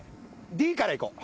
Ｄからいこう。